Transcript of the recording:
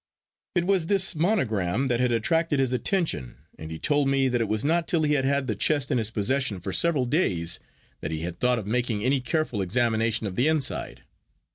It was this monogram that had attracted his attention, and he told me that it was not till he had had the chest in his possession for several days that he had thought of making any careful examination of the inside.